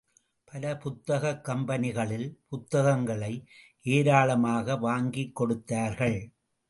பல புத்தகக் கம்பெனிகளில் புத்தகங்களை ஏராளமாக வாங்கிக் கொடுத்தார்கள்.